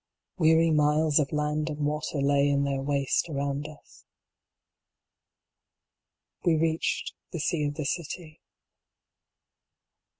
Weary miles of land and water lay in their waste around us, We reached the sea of the city.